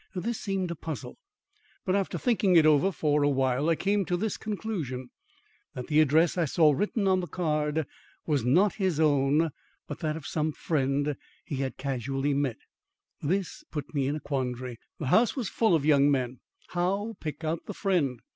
This seemed a puzzle. But after thinking it over for awhile, I came to this conclusion: that the address I saw written on the card was not his own, but that of some friend he had casually met. This put me in a quandary. The house was full of young men; how pick out the friend?